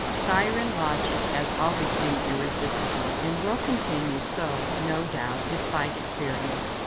Siren logic has always been irresistible and will continue so, no doubt, despite experience.